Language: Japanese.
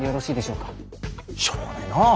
しょうがないなあ。